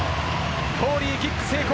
フォーリー、キック成功。